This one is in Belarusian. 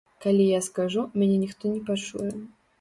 Калі я скажу, мяне ніхто не пачуе.